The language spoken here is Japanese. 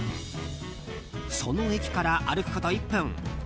その駅から歩くこと１分。